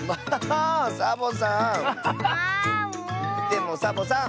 でもサボさん。